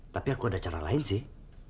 tapi aku ada cara lain sih